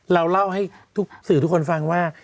เราเล่าให้ทุกสื่อทุกคนฟังว่า